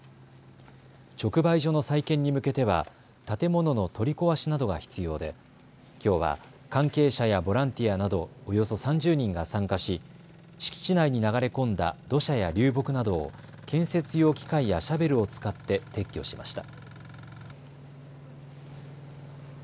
直売所の再建に向けては建物の取り壊しなどが必要できょうは関係者やボランティアなど、およそ３０人が参加し敷地内に流れ込んだ土砂や流木などを建設用機械やシャベルを使って撤去しました。